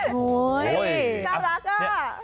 โอ้โฮตามรักเกอร์